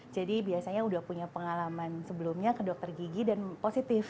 jadi biasanya sudah punya pengalaman sebelumnya ke dokter gigi dan positif